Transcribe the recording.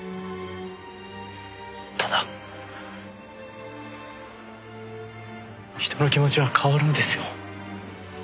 ただ人の気持ちは変わるんですよ。